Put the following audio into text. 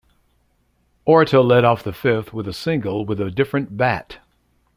Orta led off the fifth with a single with a different bat.